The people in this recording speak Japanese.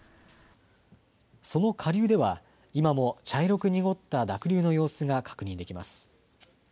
その下流では今も茶色く濁った濁流の様子が確認できます。